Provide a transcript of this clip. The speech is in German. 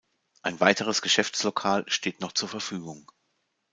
Ein weiteres Geschäftslokal steht noch zur Verfügung.